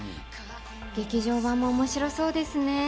劇場版も面白そうですね。